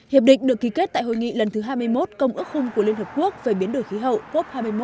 hiệp định được ký kết tại hội nghị lần thứ hai mươi một công ước khung của liên hợp quốc về biến đổi khí hậu cop hai mươi một